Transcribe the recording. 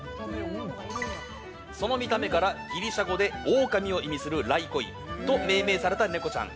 その見た目からギリシャ語でオオカミを意味するライコイと命名されたネコちゃん。